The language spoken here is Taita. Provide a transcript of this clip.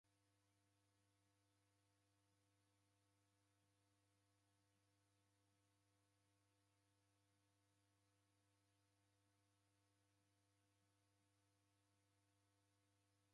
W'andu w'aw'i w'aghuilwagha ni wushoromboto.